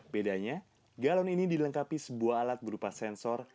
bedanya galon ini dilengkapi sebuah alat berupa sensor